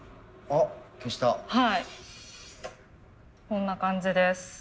こんな感じです。